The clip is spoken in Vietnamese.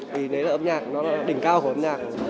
thì đấy là âm nhạc nó là đỉnh cao của âm nhạc